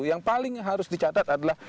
yang paling harus dicatat adalah